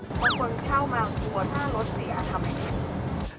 เพราะคนเช่ามากกว่าถ้ารถเสียทำไง